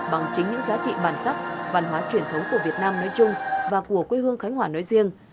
bằng chính những giá trị bản sắc văn hóa truyền thống của việt nam nói chung và của quê hương khánh hòa nói riêng